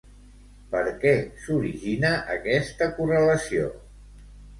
Per què s'origina aquesta correlació?